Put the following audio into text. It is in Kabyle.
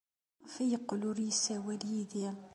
Maɣef ay yeqqel ur yessawal yid-i?